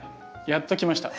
やっときました。